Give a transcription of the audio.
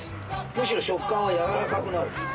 むしろ食感は軟らかくなる。